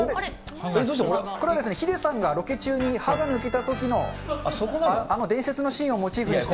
これですね、ヒデさんがロケ中に歯が抜けたときの、あの伝説のシーンをモチーフにして。